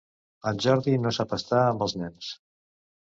En Jordi no sap estar amb els nens.